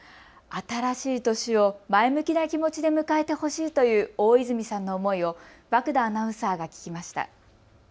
新しい年を前向きな気持ちで迎えてほしいという大泉さんの思いを和久田アナウンサーが聞きました。